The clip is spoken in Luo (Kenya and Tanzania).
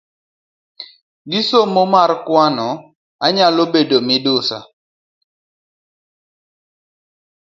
Gisomo mar kwano, anyalo bedo midusa